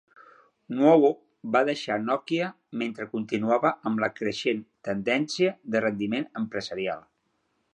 Nuovo va deixar Nokia mentre continuava amb la creixent tendència de rendiment empresarial.